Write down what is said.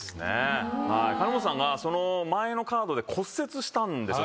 金本さんがその前のカードで骨折したんですよ